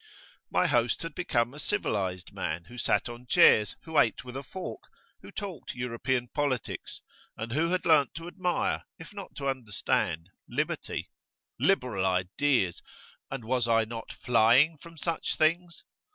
My host had become a civilised man, who sat on chairs, who ate with a fork, who talked European politics, and who had learned to admire, if not to understand, liberty liberal ideas! and was I not flying from such things?